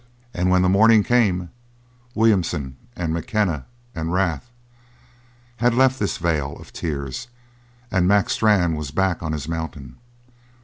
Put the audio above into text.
And when the morning came Williamson and McKenna and Rath had left this vale of tears and Mac Strann was back on his mountain.